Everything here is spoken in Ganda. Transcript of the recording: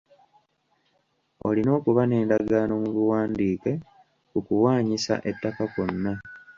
Olina okuba n’endagaano mu buwandiike ku kuwaanyisa ettaka kwonna.